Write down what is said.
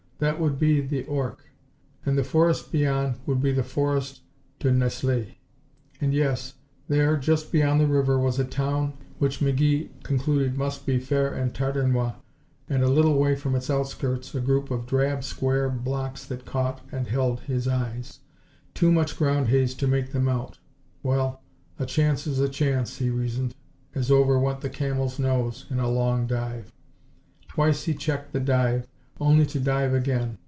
That would be the Ourcq, and the forest beyond would be the Forest de Nesles. And yes, there just beyond the river was a town which McGee concluded must be Fere en Tardenois and a little way from its outskirts a group of drab square blocks that caught and held his eyes. Too much ground haze to make them out. Well, a chance is a chance, he reasoned, as over went the Camel's nose in a long dive. Twice he checked the dive, only to dive again.